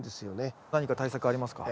何か対策ありますか？